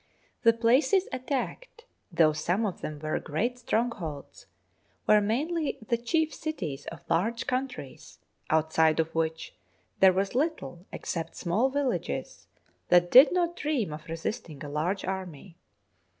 The places attacked, though some of them were great strongholds, were mainly the chief cities of large countries outside of which there was little except small villages that did not dream of resist ing a large army.